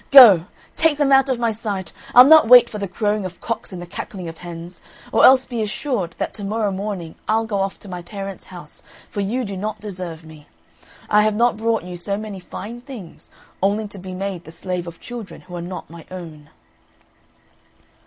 Go, take them out of my sight! I'll not wait for the crowing of cocks and the cackling of hens; or else be assured that to morrow morning I'll go off to my parents' house, for you do not deserve me. I have not brought you so many fine things, only to be made the slave of children who are not my own."